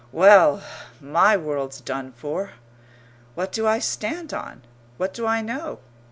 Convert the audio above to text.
Well, my world's done for! What do I stand on? What do I know?